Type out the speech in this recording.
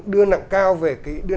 đưa nặng cao về